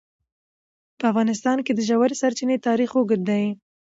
په افغانستان کې د ژورې سرچینې تاریخ اوږد دی.